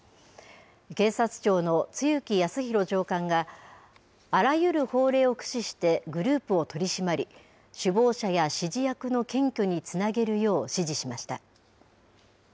警察庁の露木康浩長官が、あらゆる法令を駆使してグループを取り締まり、首謀者や指示役の検挙につなげるよう指示しました。